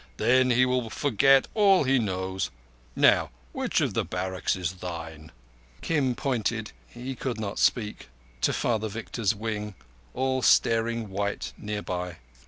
Then he will forget all he knows. Now, which of the barracks is thine?" Kim pointed—he could not speak—to Father Victor's wing, all staring white near by.